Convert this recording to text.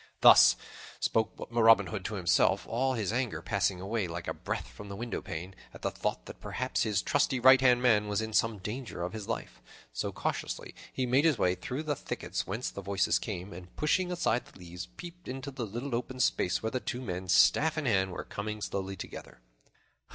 Thus spoke Robin Hood to himself, all his anger passing away like a breath from the windowpane, at the thought that perhaps his trusty right hand man was in some danger of his life. So cautiously he made his way through the thickets whence the voices came, and, pushing aside the leaves, peeped into the little open space where the two men, staff in hand, were coming slowly together.